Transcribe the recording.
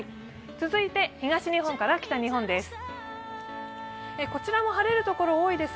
続いて東日本から北日本です。